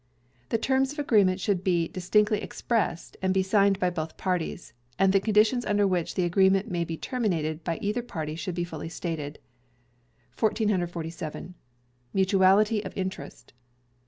The Terms of an Agreement should be distinctly expressed, and be signed by both parties. And the conditions under which the agreement may be terminated by either party should be fully stated. 1447. Mutuality of Interest.